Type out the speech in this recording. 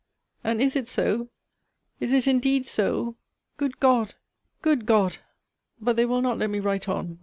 And is it so? Is it indeed so? Good God! Good God! But they will not let me write on.